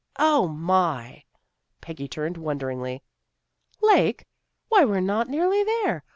"" O, my! " Peggy turned wonder ingly. " Lake! Why, we're not nearly there.